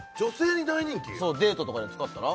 デートとかに使ったら？